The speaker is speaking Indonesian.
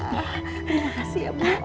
terima kasih ya bu